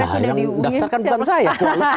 yang daftarkan bukan saya